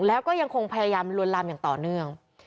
แล้วก็ยังคงพยายามลวนลามอย่างต่อเนื่อง